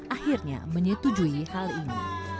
akhirnya menyetujukan mereka untuk berkegiatan di matahari